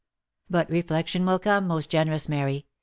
But reflection will come, most generous Mary!